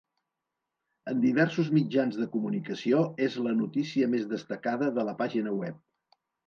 En diversos mitjans de comunicació és la notícia més destacada de la pàgina web.